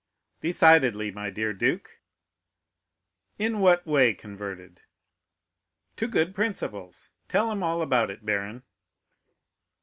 "Decidedly, my dear duke." "In what way converted?" "To good principles. Tell him all about it, baron."